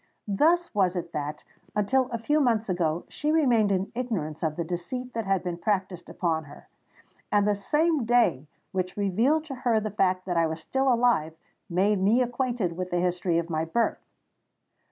Thus was it that, until a few months ago, she remained in ignorance of the deceit that had been practised upon her; and the same day which revealed to her the fact that I was still alive, made me acquainted with the history of my birth.